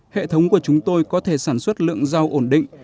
hệ thống của chúng tôi có thể sản xuất lượng rau ổn định